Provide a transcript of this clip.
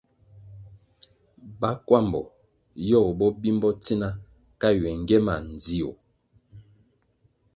Bakwambo yogo bo bimbo tsina ka ywe ngie ma ndzio.